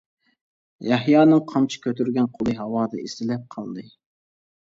يەھيانىڭ قامچا كۆتۈرگەن قولى ھاۋادا ئېسىلىپ قالدى.